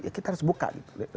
ya kita harus buka gitu